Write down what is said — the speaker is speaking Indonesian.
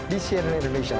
di cnn indonesia